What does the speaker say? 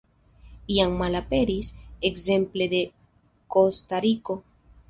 Jam malaperis ekzemple de Kostariko.